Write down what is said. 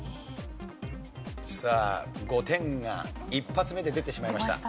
さあ５点が１発目で出てしまいました。